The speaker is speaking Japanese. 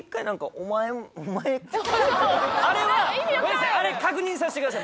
あれはごめんなさいあれ確認させてください。